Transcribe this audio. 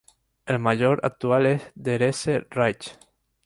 El Mayor actual es Therese Ridge.